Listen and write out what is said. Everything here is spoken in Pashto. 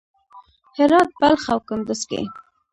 هرات، بلخ او کندز کې